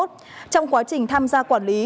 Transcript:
trong quá trình tham gia quản lý